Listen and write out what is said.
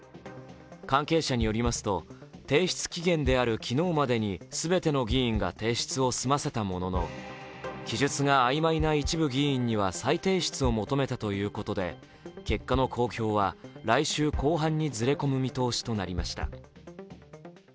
関係者によりますと、提出期限である昨日までに全ての議員が提出を済ませたものの記述が曖昧な一部議員には再提出を求めたということで結果の公表は来週後半にずれ込む見通しとなりました。